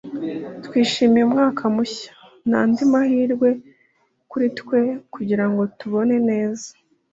twishimiye umwaka mushya n'andi mahirwe kuri twe kugirango tubone neza